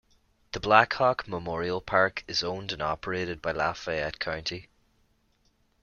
The Blackhawk Memorial Park is owned and operated by Lafayette County.